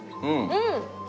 うん！